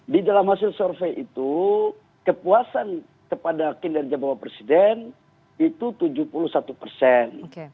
di dalam hasil survei itu kepuasan kepada kinerja bapak presiden itu tujuh puluh satu persen